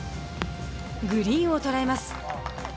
グリーンを捉えます。